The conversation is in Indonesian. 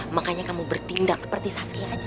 makanya kamu bertindak seperti saskia aja